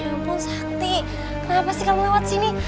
ya ampun sakti kenapa sih kamu lewat sini